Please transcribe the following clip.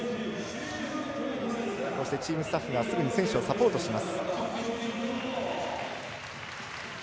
チームスタッフがすぐに選手をサポートします。